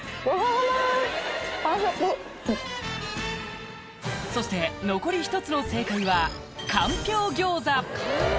完食そして残り１つの正解はかんぴょう餃子